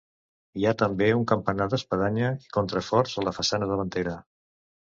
Hi ha també un campanar d'espadanya i contraforts a la façana davantera.